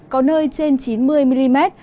có nơi trên chín mươi mm